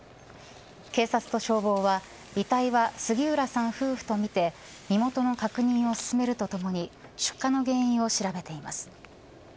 警察と消防は遺体は杉浦さん夫婦と見て身元の確認を進めるとともに出火の原因を調べています。